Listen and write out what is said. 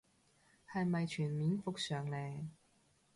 係咪全面復常嘞